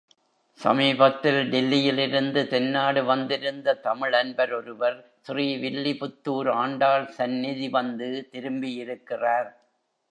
சமீபத்தில் டில்லியில் இருந்து தென்னாடு வந்திருந்த தமிழ் அன்பர் ஒருவர் ஸ்ரீ வில்லிபுத்தூர் ஆண்டாள் சந்நிதி வந்து திரும்பியிருக்கிறார்.